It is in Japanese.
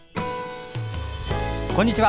こんにちは。